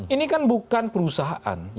ini kan bukan perusahaan